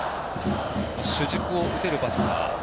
主軸を打てるバッター。